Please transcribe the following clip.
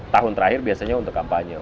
tahun terakhir biasanya untuk kampanye